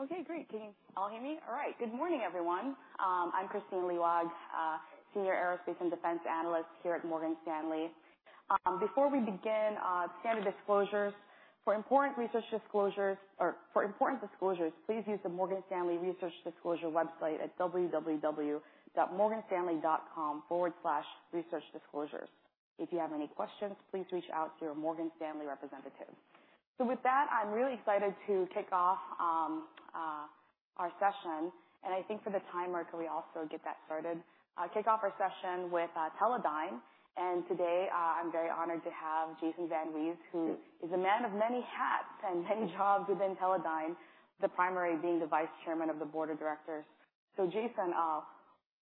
Okay, great! Can you all hear me? All right. Good morning, everyone. I'm Kristine Liwag, Senior Aerospace and Defense Analyst here at Morgan Stanley. Before we begin, standard disclosures. For important research disclosures or for important disclosures, please use the Morgan Stanley Research Disclosure website at www.morganstanley.com/researchdisclosures. If you have any questions, please reach out to your Morgan Stanley representative. So with that, I'm really excited to kick off our session, and I think for the timer, can we also get that started? Kick off our session with Teledyne, and today, I'm very honored to have Jason VanWees, who is a man of many hats and many jobs within Teledyne, the primary being the Vice Chairman of the board of directors. So, Jason,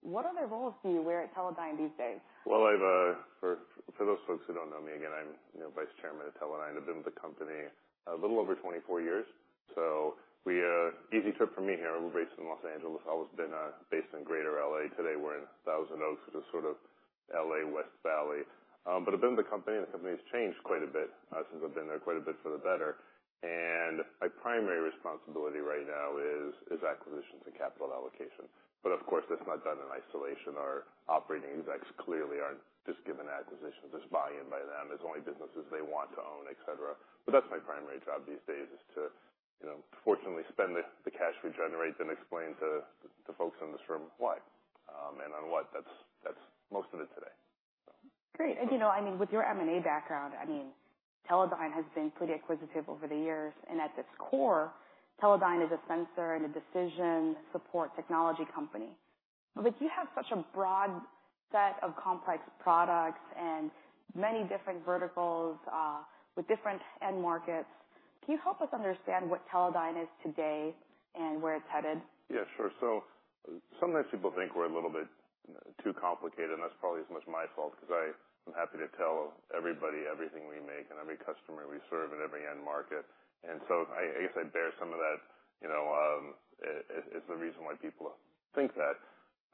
what other roles do you wear at Teledyne these days? Well, I've for those folks who don't know me, again, I'm, you know, Vice Chairman at Teledyne. I've been with the company a little over 24 years, so easy trip for me here. We're based in Los Angeles. Always been based in Greater LA. Today, we're in Thousand Oaks, which is sort of LA West Valley. But I've been with the company, and the company's changed quite a bit since I've been there, quite a bit for the better. My primary responsibility right now is acquisitions and capital allocation. Of course, that's not done in isolation. Our operating execs clearly aren't just given acquisitions, just buy-in by them. There's only businesses they want to own, et cetera. But that's my primary job these days, is to, you know, fortunately spend the cash we generate, then explain to folks in this room why and on what. That's most of it today. Great. You know, I mean, with your M&A background, I mean, Teledyne has been pretty acquisitive over the years, and at its core, Teledyne is a sensor and a decision support technology company. But you have such a broad set of complex products and many different verticals, with different end markets. Can you help us understand what Teledyne is today and where it's headed? Yeah, sure. So sometimes people think we're a little bit too complicated, and that's probably as much my fault, because I'm happy to tell everybody everything we make and every customer we serve in every end market. And so I guess I bear some of that, you know, it's the reason why people think that,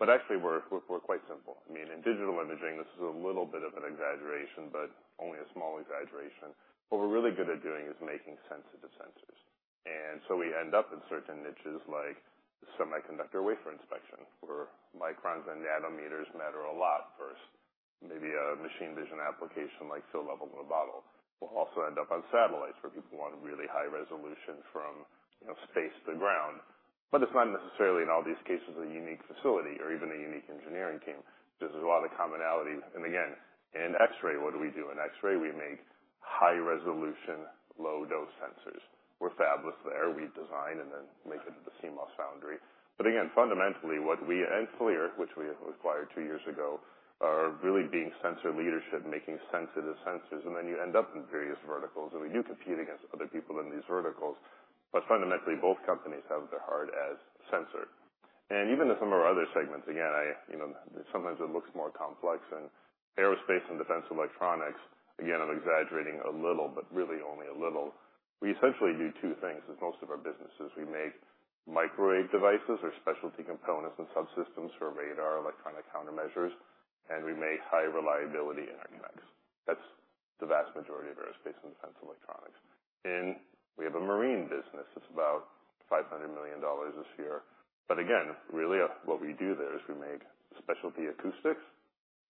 but actually we're quite simple. I mean, in digital imaging, this is a little bit of an exaggeration, but only a small exaggeration. What we're really good at doing is making sense of the sensors. And so we end up in certain niches like semiconductor wafer inspection, where microns and nanometers matter a lot first. Maybe a machine vision application like fill level in a bottle. We'll also end up on satellites, where people want really high resolution from, you know, space to ground. But it's not necessarily, in all these cases, a unique facility or even a unique engineering team. This is a lot of commonality. And again, in X-ray, what do we do? In X-ray, we make high resolution, low dose sensors. We're fabulous there. We design and then make it at the CMOS foundry. But again, fundamentally, what we and FLIR, which we acquired two years ago, are really being sensor leadership, making sense of the sensors, and then you end up in various verticals, and we do compete against other people in these verticals. But fundamentally, both companies have their heart as sensor. And even in some of our other segments, again, I, you know, sometimes it looks more complex in aerospace and defense electronics. Again, I'm exaggerating a little, but really only a little. We essentially do two things with most of our businesses. We make microwave devices or specialty components and subsystems for radar, electronic countermeasures, and we make high reliability interconnects. That's the vast majority of aerospace and defense electronics. And we have a marine business that's about $500 million this year. But again, really, what we do there is we make specialty acoustics,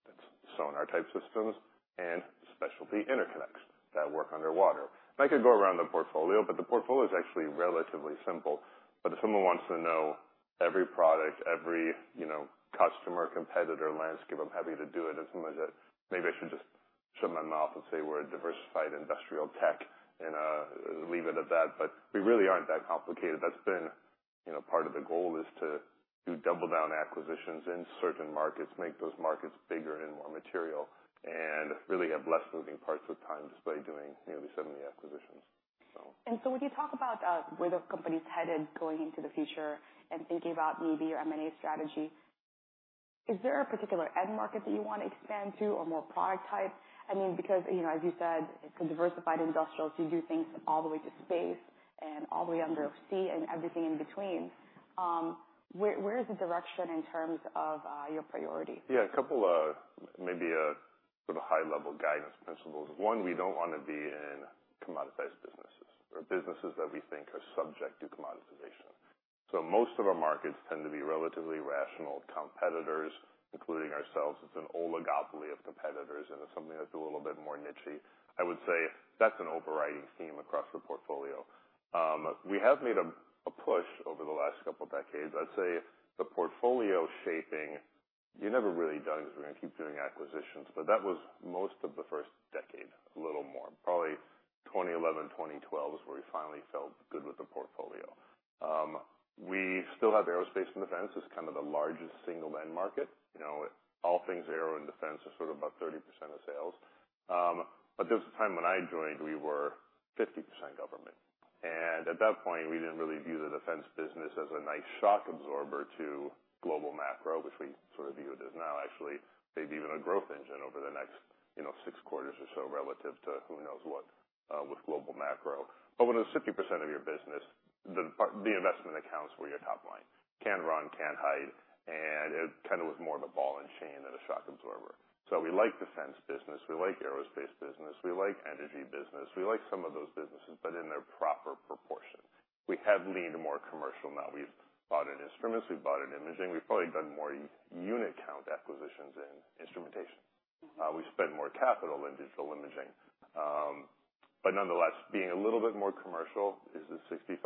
that's sonar-type systems, and specialty interconnects that work underwater. And I could go around the portfolio, but the portfolio is actually relatively simple. But if someone wants to know every product, every, you know, customer, competitor, landscape, I'm happy to do it. And sometimes maybe I should just shut my mouth and say we're a diversified industrial tech and, leave it at that. But we really aren't that complicated. That's been, you know, part of the goal is to do double down acquisitions in certain markets, make those markets bigger and more material, and really have less moving parts with time, just by doing nearly 70 acquisitions, so. And so when you talk about where the company's headed going into the future and thinking about maybe your M&A strategy, is there a particular end market that you want to expand to or more product type? I mean, because, you know, as you said, it's a diversified industrial, so you do things from all the way to space and all the way under sea and everything in between. Where, where is the direction in terms of your priority? Yeah, a couple of maybe, sort of high-level guidance principles. One, we don't want to be in commoditized businesses or businesses that we think are subject to commoditization. So most of our markets tend to be relatively rational competitors, including ourselves. It's an oligopoly of competitors, and it's something that's a little bit more nichey. I would say that's an overriding theme across our portfolio. We have made a push over the last couple of decades. I'd say the portfolio shaping, you're never really done because we're going to keep doing acquisitions, but that was most of the first decade, a little more. Probably 2011, 2012, is where we finally felt good with the portfolio. We still have aerospace and defense as kind of the largest single end market. You know, all things aero and defense are sort of about 30% of sales. But there was a time when I joined, we were 50% government, and at that point, we didn't really view the defense business as a nice shock absorber to global macro, which we sort of view it as now, actually, maybe even a growth engine over the next, you know, 6 quarters or so relative to who knows what, with global macro. But when it's 50% of your business, the investment accounts for your top line. Can't run, can't hide, and it kind of was more of a ball and chain than a shock absorber. So we like defense business, we like aerospace business, we like energy business. We like some of those businesses, but in their proper proportion. We have leaned more commercial. Now, we've bought an instruments, we've bought an imaging. We've probably done more unit count acquisitions in instrumentation. We've spent more capital in digital imaging. But nonetheless, being a little bit more commercial, is it 65%,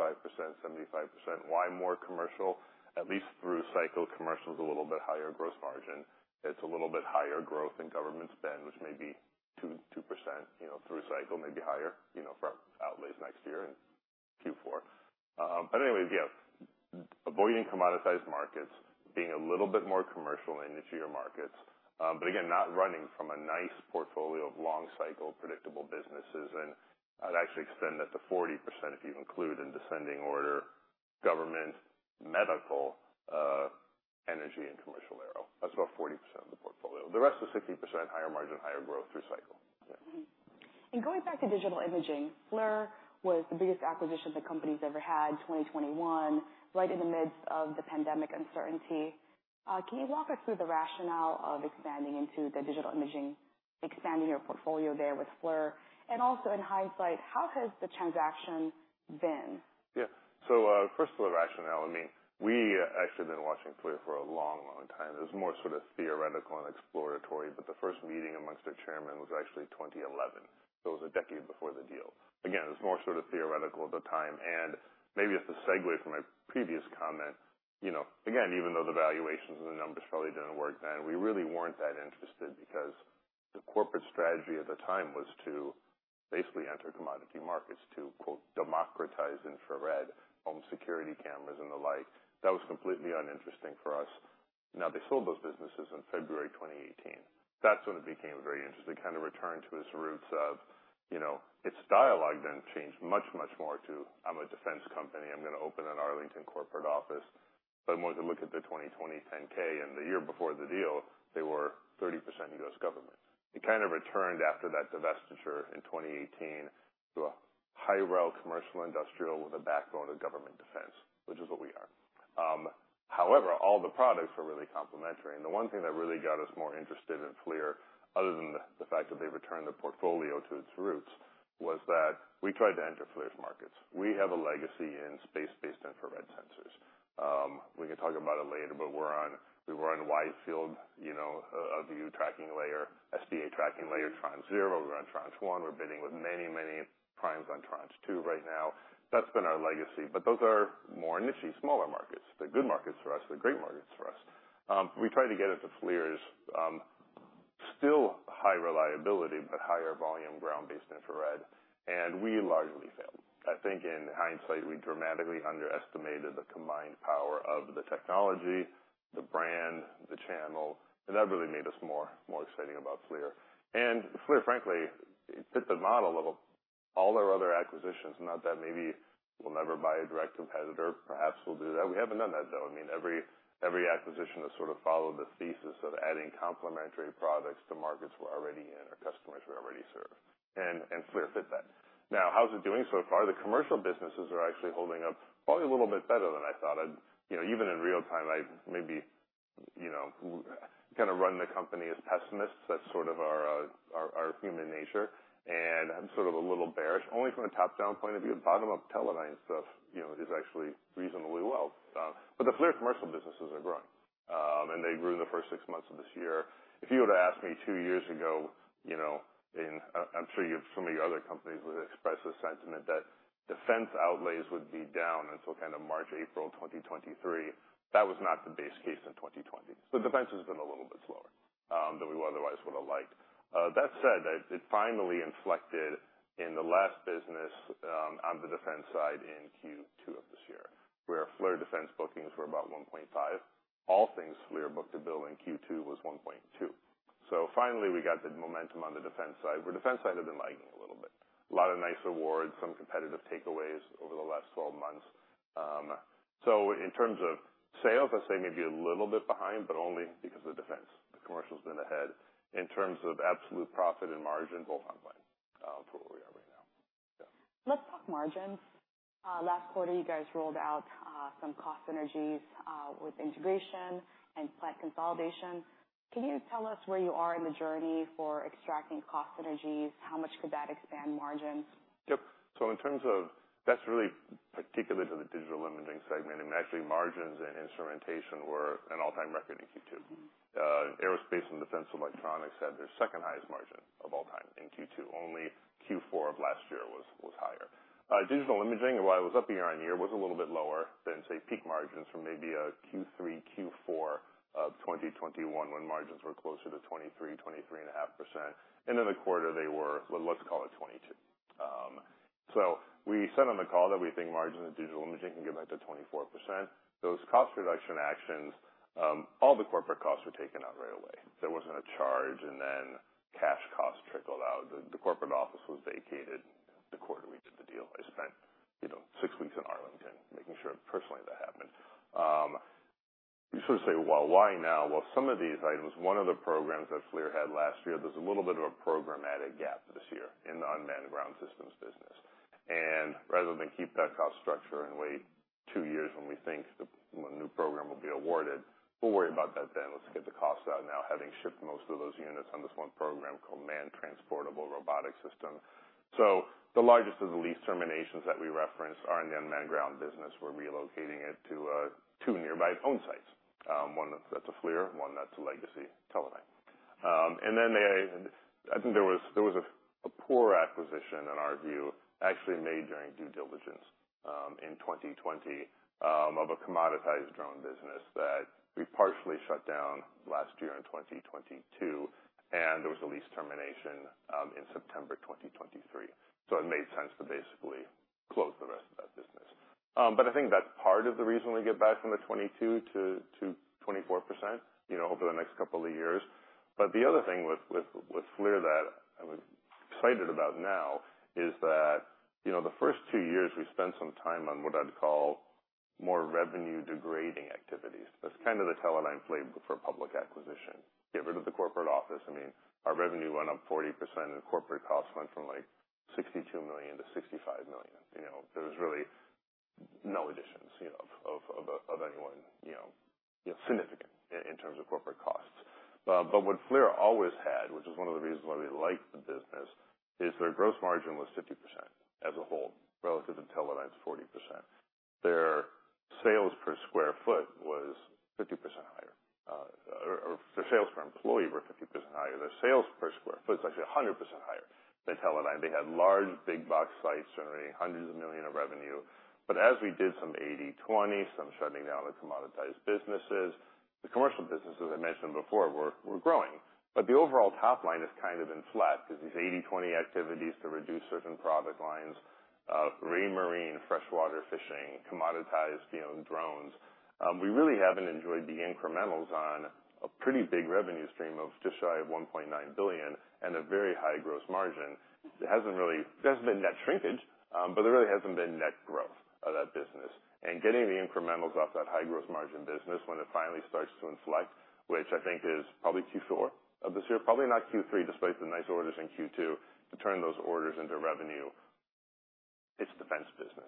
75%? Why more commercial? At least through cycle, commercial is a little bit higher gross margin. It's a little bit higher growth in government spend, which may be 2, 2%, you know, through cycle, maybe higher, you know, for outlays next year in Q4. Avoiding commoditized markets, being a little bit more commercial in nichier markets, but again, not running from a nice portfolio of long cycle, predictable businesses. I'd actually extend that to 40%, if you include in descending order, government, medical, energy, and commercial aero. That's about 40% of the portfolio. The rest is 60% higher margin, higher growth through cycle. Mm-hmm. And going back to digital imaging, FLIR was the biggest acquisition the company's ever had, 2021, right in the midst of the pandemic uncertainty. Can you walk us through the rationale of expanding into the digital imaging, expanding your portfolio there with FLIR? And also in hindsight, how has the transaction been? Yeah. So, first of all, the rationale, I mean, we actually have been watching FLIR for a long, long time. It was more sort of theoretical and exploratory, but the first meeting amongst their chairman was actually 2011. So it was a decade before the deal. Again, it was more sort of theoretical at the time, and maybe it's a segue from my previous comment. You know, again, even though the valuations and the numbers probably didn't work then, we really weren't that interested because the corporate strategy at the time was to basically enter commodity markets to, quote, "democratize infrared," home security cameras and the like. That was completely uninteresting for us. Now, they sold those businesses in February 2018. That's when it became very interesting, kind of returned to its roots of, you know, its dialogue then changed much, much more to, "I'm a defense company. I'm gonna open an Arlington corporate office." But more to look at the 2020 10-K, and the year before the deal, they were 30% U.S. government. It kind of returned after that divestiture in 2018 to a high-reliability commercial industrial with a backbone of government defense, which is what we are. However, all the products are really complementary, and the one thing that really got us more interested in FLIR, other than the fact that they returned the portfolio to its roots, was that we tried to enter FLIR's markets. We have a legacy in space-based infrared sensors. We can talk about it later, but we're on—we were on wide field, you know, of the tracking layer, SDA Tracking Layer, tranche zero. We're on tranche one. We're bidding with many, many primes on tranche two right now. That's been our legacy, but those are more nichey, smaller markets. They're good markets for us. They're great markets for us. We tried to get into FLIR's still high reliability, but higher volume ground-based infrared, and we largely failed. I think in hindsight, we dramatically underestimated the combined power of the technology, the brand, the channel, and that really made us more, more exciting about FLIR. And FLIR, frankly, it fit the model of all our other acquisitions, not that maybe we'll never buy a direct competitor. Perhaps we'll do that. We haven't done that, though. I mean, every acquisition has sort of followed the thesis of adding complementary products to markets we're already in or customers we already serve, and FLIR fit that. Now, how's it doing so far? The commercial businesses are actually holding up probably a little bit better than I thought. I'd, you know, even in real time, I maybe, you know, kinda run the company as pessimists. That's sort of our, our human nature, and I'm sort of a little bearish, only from a top-down point of view. Bottom-up Teledyne stuff, you know, is actually reasonably well. But the FLIR commercial businesses are growing, and they grew in the first six months of this year. If you were to ask me two years ago, you know, and I'm sure you have some of your other companies would express a sentiment that defense outlays would be down until kind of March, April 2023. That was not the base case in 2020. So defense has been a little bit slower than we otherwise would have liked. That said, it finally inflected in the last business on the defense side in Q2 of this year, where FLIR defense bookings were about $1.5. All things FLIR book-to-bill in Q2 was 1.2. So finally, we got the momentum on the defense side, where defense side had been lagging a little bit. A lot of nice awards, some competitive takeaways over the last 12 months. So in terms of sales, I'd say maybe a little bit behind, but only because of the defense. The commercial's been ahead. In terms of absolute profit and margin, both on plan, for where we are right now. Yeah. Let's talk margins. Last quarter, you guys rolled out some cost synergies with integration and plant consolidation. Can you tell us where you are in the journey for extracting cost synergies? How much could that expand margins? Yep. So in terms of, that's really particular to the digital imaging segment, and actually, margins and instrumentation were an all-time record in Q2. Aerospace and defense electronics had their second highest margin of all time in Q2. Only Q4 of last year was higher. Digital imaging, while it was up year-on-year, was a little bit lower than, say, peak margins from maybe a Q3, Q4 of 2021, when margins were closer to 23, 23.5%. End of the quarter, they were, well, let's call it 22%. So we said on the call that we think margins in digital imaging can get back to 24%. Those cost reduction actions, all the corporate costs were taken out right away. There wasn't a charge, and then cash costs trickled out. The corporate office was vacated the quarter we did the deal. I spent, you know, six weeks in Arlington, making sure personally that happened. You sort of say, well, why now? Well, some of these items, one of the programs that FLIR had last year, there's a little bit of a programmatic gap this year in the unmanned ground systems business. And rather than keep that cost structure and wait two years when we think the new program will be awarded. We'll worry about that then. Let's get the costs out now, having shipped most of those units on this one program called Man Transportable Robotic System. So the largest of the lease terminations that we referenced are in the unmanned ground business. We're relocating it to two nearby own sites. One that's a FLIR, one that's a legacy Teledyne. And then I think there was a poor acquisition in our view, actually made during due diligence, in 2020, of a commoditized drone business that we partially shut down last year in 2022, and there was a lease termination in September 2023. So it made sense to basically close the rest of that business. But I think that's part of the reason we get back from the 22% to 24%, you know, over the next couple of years. But the other thing with FLIR that I'm excited about now is that, you know, the first two years, we spent some time on what I'd call more revenue-degrading activities. That's kind of the Teledyne flavor for a public acquisition. Get rid of the corporate office. I mean, our revenue went up 40%, and corporate costs went from, like, $62 million to $65 million. You know, there was really no additions, you know, of anyone, you know, significant in terms of corporate costs. But what FLIR always had, which is one of the reasons why we liked the business, is their gross margin was 50% as a whole, relative to Teledyne's 40%. Their sales per square foot was 50% higher, or their sales per employee were 50% higher. Their sales per square foot is actually 100% higher than Teledyne. They had large, big box sites generating hundreds of millions of revenue. But as we did some 80/20, some shutting down the commoditized businesses, the commercial businesses, as I mentioned before, were growing. But the overall top line has kind of been flat because these 80/20 activities to reduce certain product lines, Raymarine, freshwater fishing, commoditized, you know, drones. We really haven't enjoyed the incrementals on a pretty big revenue stream of just shy of $1.9 billion and a very high gross margin. It hasn't really. There hasn't been net shrinkage, but there really hasn't been net growth of that business. And getting the incrementals off that high gross margin business when it finally starts to inflect, which I think is probably Q4 of this year, probably not Q3, despite the nice orders in Q2, to turn those orders into revenue, it's defense business.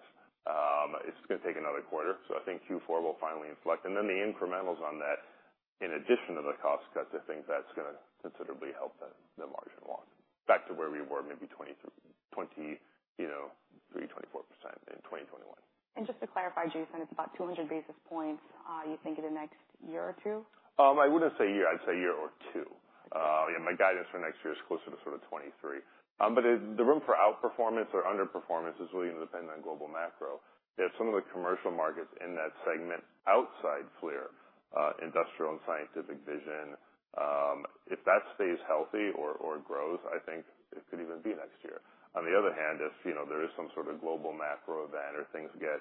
It's gonna take another quarter, so I think Q4 will finally inflect. And then the incrementals on that, in addition to the cost cuts, I think that's gonna considerably help the margin along. Back to where we were, maybe 23-24%, you know, in 2021. Just to clarify, Jason, it's about 200 basis points, you think, in the next year or two? I wouldn't say a year. I'd say a year or two. Yeah, my guidance for next year is closer to sort of 23. But the room for outperformance or underperformance is really going to depend on global macro. If some of the commercial markets in that segment outside FLIR, industrial and scientific vision, if that stays healthy or grows, I think it could even be next year. On the other hand, if, you know, there is some sort of global macro event or things get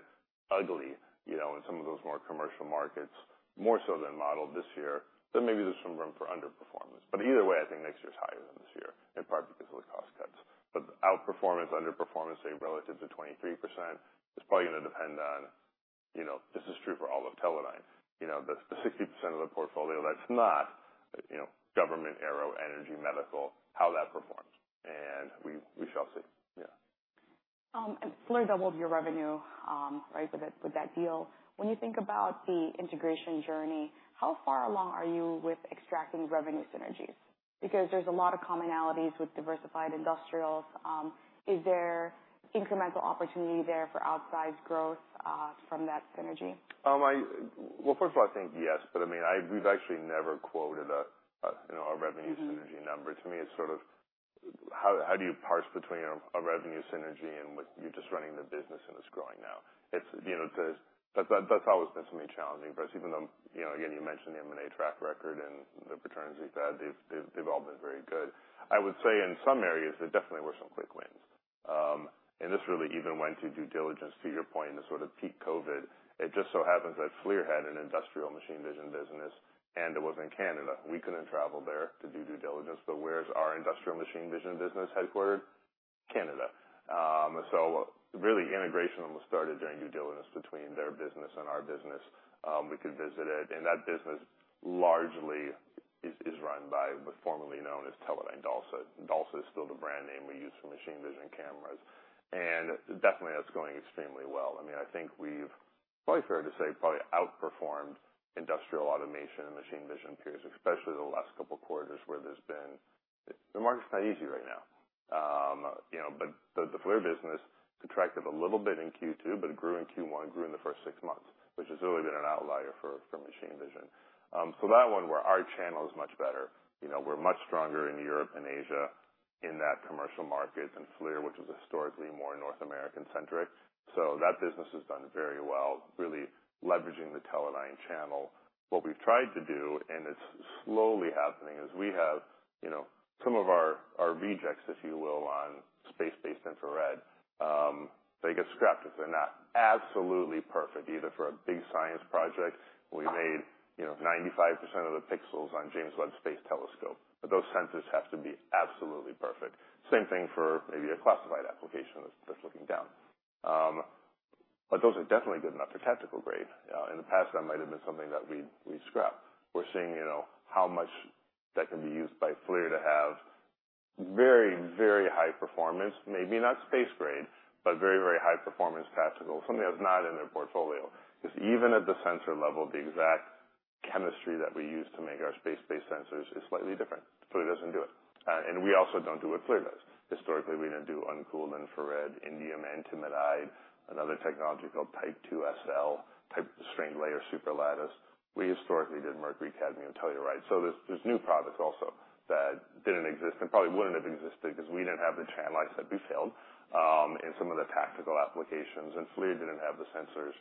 ugly, you know, in some of those more commercial markets, more so than modeled this year, then maybe there's some room for underperformance. But either way, I think next year is higher than this year, in part because of the cost cuts. But outperformance, underperformance, say, relative to 23%, is probably gonna depend on, you know, this is true for all of Teledyne, you know, the 60% of the portfolio that's not, you know, government, aero, energy, medical, how that performs. And we shall see. Yeah. FLIR doubled your revenue, right, with that, with that deal. When you think about the integration journey, how far along are you with extracting revenue synergies? Because there's a lot of commonalities with diversified industrials. Is there incremental opportunity there for outsized growth, from that synergy? Well, first of all, I think yes, but, I mean, we've actually never quoted a, you know, a revenue synergy number. Mm-hmm. To me, it's sort of how, how do you parse between a, a revenue synergy and what you're just running the business, and it's growing now? It's, you know, there's, that's, that's always been something challenging for us, even though, you know, again, you mentioned the M&A track record and the returns we've had. They've, they've, they've all been very good. I would say in some areas, there definitely were some quick wins. And this really even went to due diligence, to your point, in the sort of peak COVID. It just so happens that FLIR had an industrial machine vision business, and it was in Canada. We couldn't travel there to do due diligence, but where's our industrial machine vision business headquartered? Canada. So really, integration almost started during due diligence between their business and our business. We could visit it, and that business largely is run by what formerly known as Teledyne DALSA. DALSA is still the brand name we use for machine vision cameras, and definitely that's going extremely well. I mean, I think we've probably fair to say, probably outperformed industrial automation and machine vision peers, especially the last couple of quarters where there's been... The market's not easy right now. You know, but the FLIR business contracted a little bit in Q2, but it grew in Q1 and grew in the first six months, which has really been an outlier for machine vision. So that one, where our channel is much better. You know, we're much stronger in Europe and Asia in that commercial market than FLIR, which was historically more North American centric. So that business has done very well, really leveraging the Teledyne channel. What we've tried to do, and it's slowly happening, is we have, you know, some of our, our rejects, if you will, on space-based infrared, they get scrapped if they're not absolutely perfect, either for a big science project. We made, you know, 95% of the pixels on James Webb Space Telescope, but those sensors have to be absolutely perfect. Same thing for maybe a classified application that's looking down. But those are definitely good enough for tactical grade. In the past, that might have been something that we scrap. We're seeing, you know, how much that can be used by FLIR to have very, very high performance, maybe not space grade, but very, very high performance tactical, something that's not in their portfolio. Because even at the sensor level, the exact chemistry that we use to make our space-based sensors is slightly different, so it doesn't do it. And we also don't do what FLIR does. Historically, we didn't do uncooled infrared, indium antimonide, another technology called Type II SL, Type II strained layer superlattice. We historically did mercury cadmium telluride. So there's new products also that didn't exist and probably wouldn't have existed because we didn't have the channelized that we failed in some of the tactical applications, and FLIR didn't have the sensors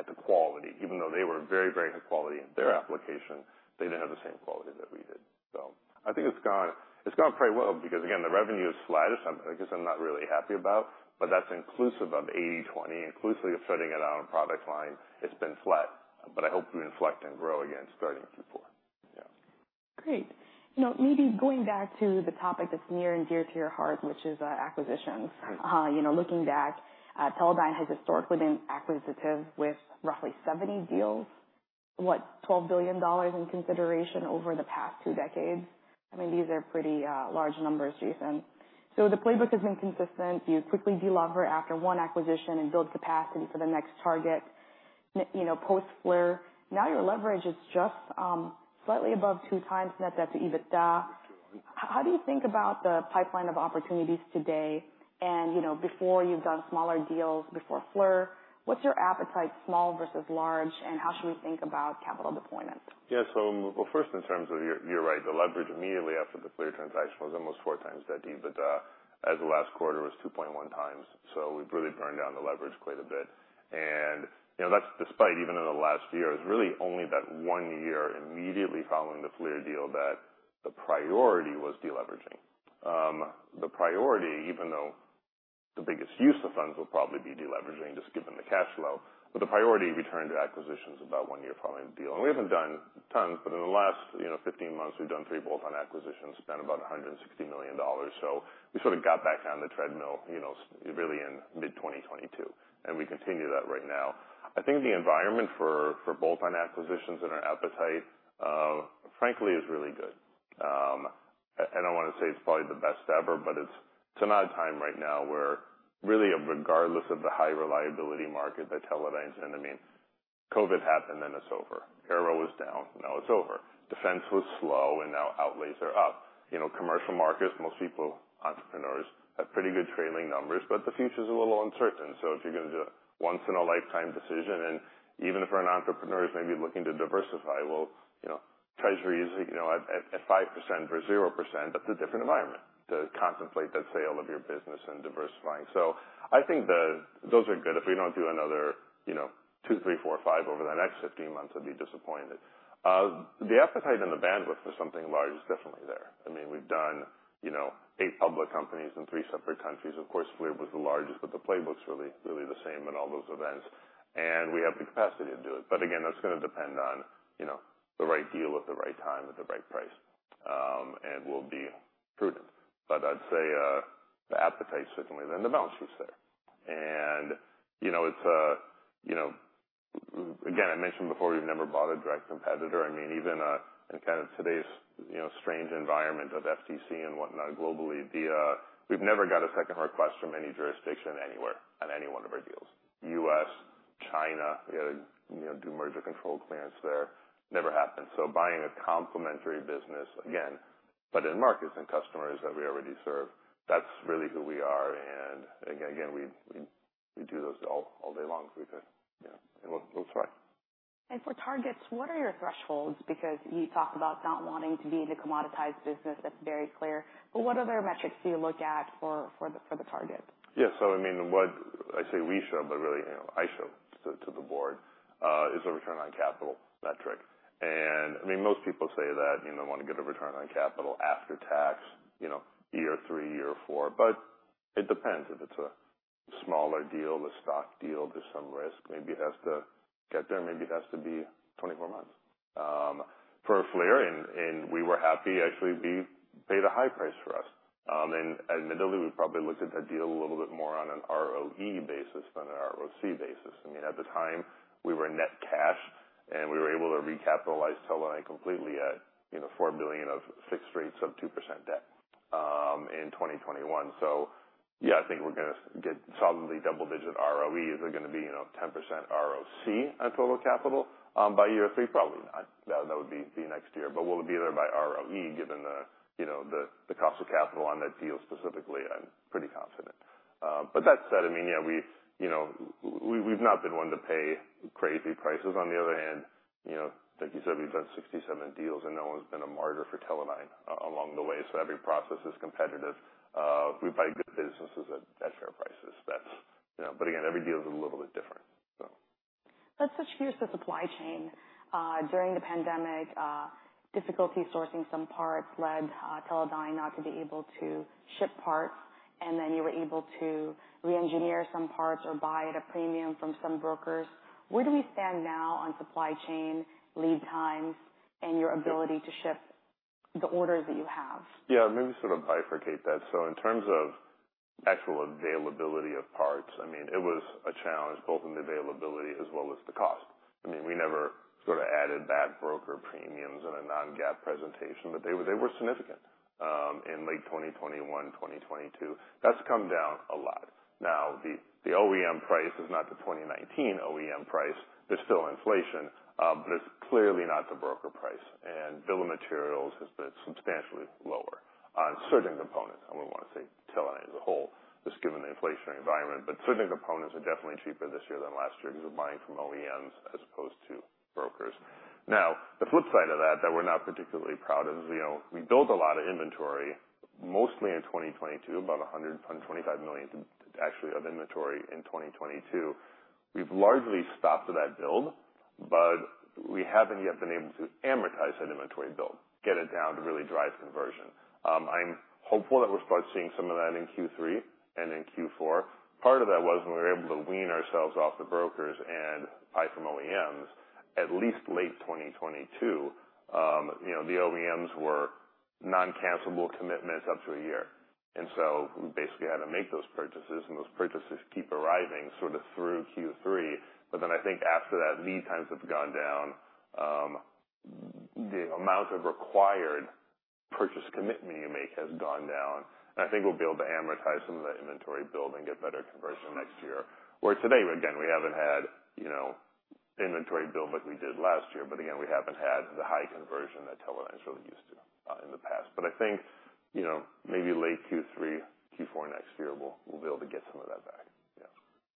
at the quality. Even though they were very, very high quality in their application, they didn't have the same quality that we did. I think it's gone, it's gone pretty well, because, again, the revenue is flat or something, which I'm not really happy about, but that's inclusive of 80/20, inclusive of setting it out on a product line. It's been flat, but I hope we inflect and grow again, starting in Q4. Yeah. Great. Now, maybe going back to the topic that's near and dear to your heart, which is, acquisitions. Right. You know, looking back, Teledyne has historically been acquisitive with roughly 70 deals, what, $12 billion in consideration over the past two decades. I mean, these are pretty large numbers, Jason. So the playbook has been consistent. You quickly delever after one acquisition and build capacity for the next target. You know, post-FLIR, now your leverage is just slightly above 2x net debt to EBITDA. How do you think about the pipeline of opportunities today? And, you know, before you've done smaller deals, before FLIR, what's your appetite, small versus large, and how should we think about capital deployment? Yeah. So well, first, in terms of your-- you're right, the leverage immediately after the FLIR transaction was almost 4 times debt to EBITDA, as the last quarter was 2.1 times. So we've really burned down the leverage quite a bit. And, you know, that's despite even in the last year, it's really only that one year immediately following the FLIR deal, that the priority was deleveraging. The priority, even though the biggest use of funds will probably be deleveraging, just given the cash flow, but the priority returned to acquisitions about one year following the deal. And we haven't done tons, but in the last, you know, 15 months, we've done 3 bolt-on acquisitions, spent about $160 million. So we sort of got back on the treadmill, you know, really in mid-2022, and we continue that right now. I think the environment for bolt-on acquisitions and our appetite, frankly, is really good. I don't want to say it's probably the best ever, but it's an odd time right now, where really, regardless of the high reliability market that Teledyne's in, I mean, COVID happened, and it's over. Aero was down, now it's over. Defense was slow, and now outlays are up. You know, commercial markets, most people, entrepreneurs, have pretty good trailing numbers, but the future is a little uncertain. So if you're going to do a once-in-a-lifetime decision, and even if for an entrepreneur is maybe looking to diversify, well, you know, treasury is, you know, at 5% versus 0%, that's a different environment to contemplate the sale of your business and diversifying. So I think those are good. If we don't do another, you know, 2, 3, 4, or 5 over the next 15 months, I'd be disappointed. The appetite and the bandwidth for something large is definitely there. I mean, we've done, you know, 8 public companies in 3 separate countries. Of course, FLIR was the largest, but the playbook's really, really the same in all those events, and we have the capacity to do it. But again, that's going to depend on, you know, the right deal at the right time, at the right price, and we'll be prudent. But I'd say, the appetite is certainly there, and the balance is there. And, you know, it's a, you know, again, I mentioned before, we've never bought a direct competitor. I mean, even in kind of today's, you know, strange environment of FTC and whatnot globally, the—we've never got a second request from any jurisdiction anywhere on any one of our deals. U.S., China, you know, you know, do merger control clearance there. Never happened. So buying a complementary business again, but in markets and customers that we already serve, that's really who we are, and again, we do this all day long if we could. Yeah, and we'll try. And for targets, what are your thresholds? Because you talk about not wanting to be in a commoditized business. That's very clear. But what other metrics do you look at for the target? Yeah, so I mean, what I say we show, but really, you know, I show to, to the board, is a return on capital metric. And I mean, most people say that, you know, want to get a return on capital after tax, you know, year 3, year 4, but it depends. If it's a smaller deal, a stock deal, there's some risk. Maybe it has to get there, maybe it has to be 24 months. For FLIR, and we were happy, actually, we paid a high price for us. And admittedly, we probably looked at that deal a little bit more on an ROE basis than an ROC basis. I mean, at the time, we were net cash, and we were able to recapitalize Teledyne completely at, you know, $4 billion of fixed rates of 2% debt, in 2021. So yeah, I think we're gonna get solidly double-digit ROE. Is it gonna be, you know, 10% ROC on total capital by year three? Probably not. That would be the next year, but we'll be there by ROE, given the, you know, the cost of capital on that deal specifically, I'm pretty confident. But that said, I mean, yeah, we, you know, we've not been one to pay crazy prices. On the other hand, you know, like you said, we've done 67 deals, and no one's been a martyr for Teledyne along the way. So every process is competitive. We buy good businesses at fair prices. That's... You know, but again, every deal is a little bit different, so. Let's switch gears to supply chain. During the pandemic, difficulty sourcing some parts led Teledyne not to be able to ship parts, and then you were able to reengineer some parts or buy at a premium from some brokers. Where do we stand now on supply chain lead times and your ability to ship the orders that you have? Yeah, maybe sort of bifurcate that. So in terms of actual availability of parts. I mean, it was a challenge, both in the availability as well as the cost. I mean, we never sort of added bad broker premiums in a non-GAAP presentation, but they were, they were significant, in late 2021, 2022. That's come down a lot. Now, the, the OEM price is not the 2019 OEM price. There's still inflation, but it's clearly not the broker price, and bill of materials has been substantially lower on certain components. I wouldn't want to say Teledyne as a whole, just given the inflationary environment, but certain components are definitely cheaper this year than last year because we're buying from OEMs as opposed to brokers. Now, the flip side of that, that we're not particularly proud of, is, you know, we built a lot of inventory, mostly in 2022, about $125 million actually of inventory in 2022. We've largely stopped that build, but we haven't yet been able to amortize that inventory build, get it down to really drive conversion. I'm hopeful that we'll start seeing some of that in Q3 and in Q4. Part of that was when we were able to wean ourselves off the brokers and buy from OEMs, at least late 2022, you know, the OEMs were non-cancellable commitments up to a year. And so we basically had to make those purchases, and those purchases keep arriving sort of through Q3. But then I think after that, lead times have gone down, the amount of required purchase commitment you make has gone down, and I think we'll be able to amortize some of the inventory build and get better conversion next year. Where today, again, we haven't had, you know, inventory build like we did last year, but again, we haven't had the high conversion that Teledyne is really used to in the past. But I think, you know, maybe late Q3, Q4 next year, we'll be able to get some of that back. Yeah.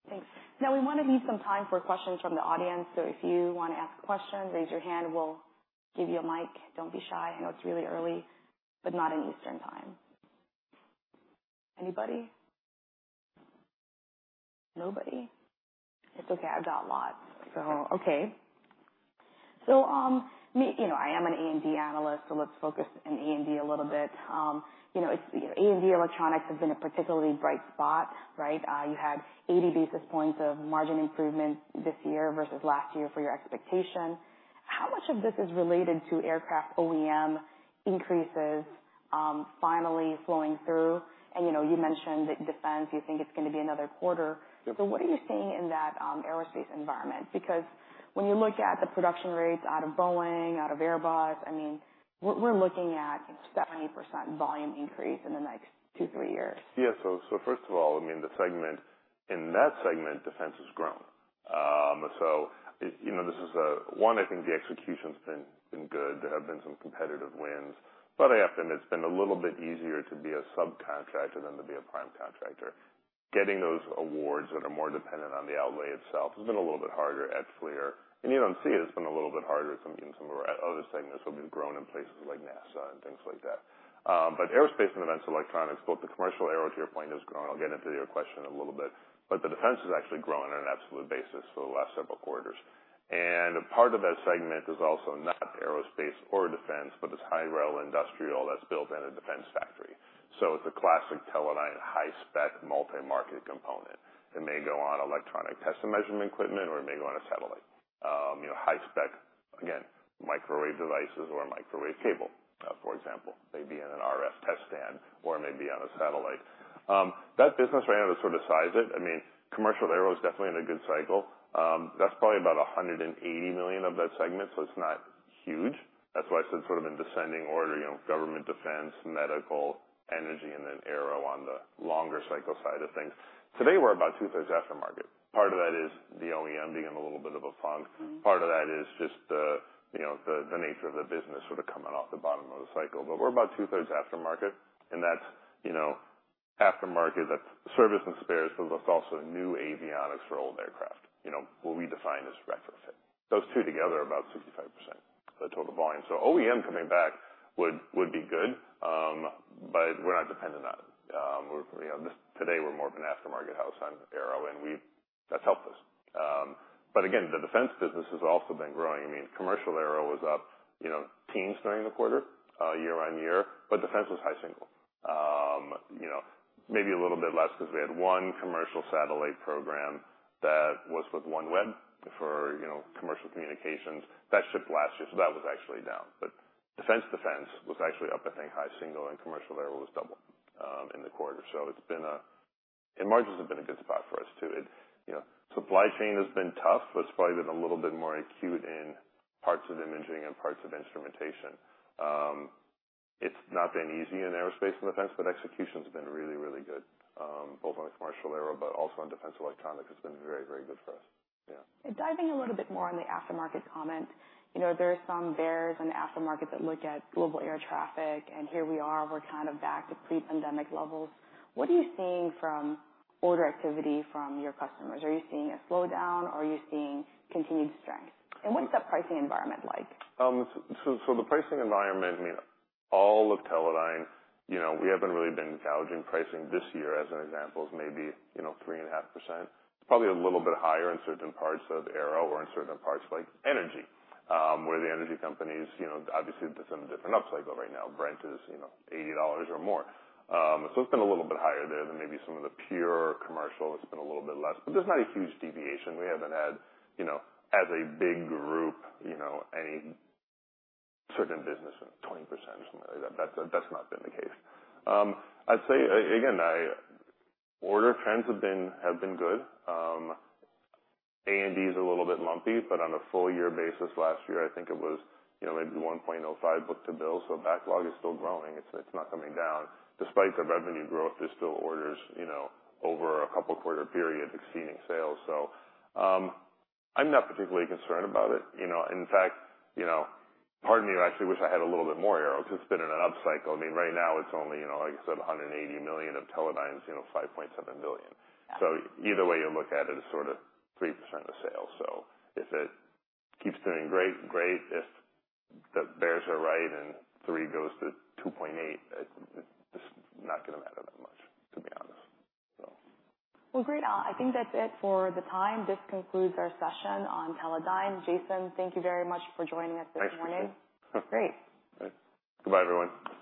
Thanks. Now, we want to leave some time for questions from the audience. So if you want to ask a question, raise your hand, we'll give you a mic. Don't be shy. I know it's really early, but not in Eastern Time. Anybody? Nobody? It's okay, I've got lots. So, okay. So, you know, I am an A&D analyst, so let's focus on A&D a little bit. You know, A&D Electronics has been a particularly bright spot, right? You had 80 basis points of margin improvement this year versus last year for your expectation. How much of this is related to aircraft OEM increases, finally flowing through? And, you know, you mentioned that defense, you think it's going to be another quarter. Yeah. So what are you seeing in that aerospace environment? Because when you look at the production rates out of Boeing, out of Airbus, I mean, we're looking at 70% volume increase in the next two, three years. Yeah. So, first of all, I mean, the segment, in that segment, defense has grown. So, you know, this is one, I think the execution's been good. There have been some competitive wins. But often, it's been a little bit easier to be a subcontractor than to be a prime contractor. Getting those awards that are more dependent on the outlay itself has been a little bit harder at FLIR. And even CE, it's been a little bit harder in some of our other segments that we've grown in places like NASA and things like that. But aerospace and defense electronics, both the commercial aero, to your point, has grown. I'll get into your question in a little bit, but the defense has actually grown on an absolute basis for the last several quarters. A part of that segment is also not aerospace or defense, but it's high-rel industrial that's built in a defense factory. It's a classic Teledyne high-spec, multi-market component. It may go on electronic test and measurement equipment, or it may go on a satellite. You know, high-spec, again, microwave devices or microwave cable, for example, may be in an RF test stand or may be on a satellite. That business, right out of sort of size it, I mean, commercial aero is definitely in a good cycle. That's probably about $180 million of that segment, so it's not huge. That's why I said sort of in descending order, you know, government, defense, medical, energy, and then aero on the longer cycle side of things. Today, we're about two-thirds aftermarket. Part of that is the OEM being in a little bit of a funk. Mm-hmm. Part of that is just the, you know, the nature of the business sort of coming off the bottom of the cycle. But we're about two-thirds aftermarket, and that's, you know, aftermarket, that's service and spares, but that's also new avionics for old aircraft, you know, what we define as retrofitting. Those two together are about 65% the total volume. So OEM coming back would be good, but we're not dependent on it. We're, you know, today, we're more of an aftermarket house on aero, and we've... That's helped us. But again, the defense business has also been growing. I mean, commercial aero was up, you know, teens during the quarter, year-on-year, but defense was high single. You know, maybe a little bit less because we had one commercial satellite program that was with OneWeb for, you know, commercial communications. That shipped last year, so that was actually down. But defense, defense was actually up, I think, high single, and commercial aero was double in the quarter. So it's been a... And margins have been a good spot for us, too. It, you know, supply chain has been tough. It's probably been a little bit more acute in parts of imaging and parts of instrumentation. It's not been easy in aerospace and defense, but execution's been really, really good both on commercial aero, but also on defense electronics, it's been very, very good for us. Yeah. Diving a little bit more on the aftermarket comment. You know, there are some bears on the aftermarket that look at global air traffic, and here we are, we're kind of back to pre-pandemic levels. What are you seeing from order activity from your customers? Are you seeing a slowdown or are you seeing continued strength? And what's the pricing environment like? So, the pricing environment, I mean, all of Teledyne, you know, we haven't really been gouging pricing this year, as an example, is maybe, you know, 3.5%. It's probably a little bit higher in certain parts of aero or in certain parts like energy, where the energy companies, you know, obviously it's in a different upcycle right now. Brent is, you know, $80 or more. So it's been a little bit higher there than maybe some of the pure commercial. It's been a little bit less, but there's not a huge deviation. We haven't had, you know, as a big group, you know, any certain business of 20% or something like that. That's not been the case. I'd say again, order trends have been good. A&D is a little bit lumpy, but on a full year basis, last year, I think it was, you know, maybe 1.05 book to bill, so backlog is still growing. It's, it's not coming down. Despite the revenue growth, there's still orders, you know, over a couple of quarter periods exceeding sales. So, I'm not particularly concerned about it. You know, in fact, you know, part of me, I actually wish I had a little bit more aero because it's been in an upcycle. I mean, right now, it's only, you know, like I said, $180 million of Teledyne's, you know, $5.7 billion. Yeah. So either way you look at it, it's sort of 3% of sales. So if it keeps doing great, great. If the bears are right and 3 goes to 2.8, it's, it's not gonna matter that much, to be honest, so. Well, great. I think that's it for the time. This concludes our session on Teledyne. Jason, thank you very much for joining us this morning. Thanks. Great. Goodbye, everyone.